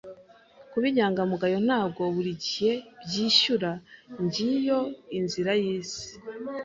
Kuba inyangamugayo ntabwo buri gihe byishyura. Ngiyo inzira y'isi.